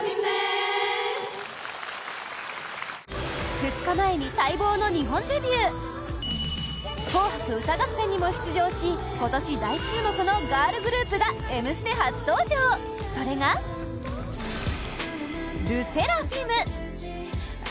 ２日前に待望の日本デビュー「紅白歌合戦」にも出場し今年大注目のガールグループが「Ｍステ」初登場それがＬＥＳＳＥＲＡＦＩＭ